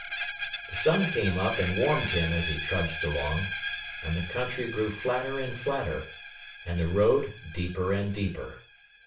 The sun came up and warmed him as he trudged along, and the country grew flatter and flatter, and the road deeper and deeper.